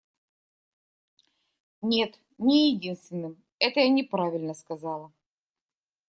Нет, не единственным - это я неправильно сказала.